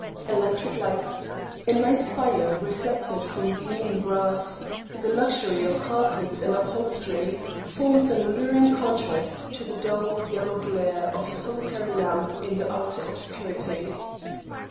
Electric lights, a nice fire reflected from gleaming brass, the luxury of carpets and upholstery, formed an alluring contrast to the dull yellow glare of a solitary lamp in the outer obscurity.